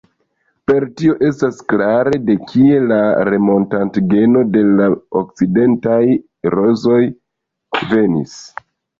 Per tio estas klare, de kie la Remontant-geno de la okcidentaj rozoj venis.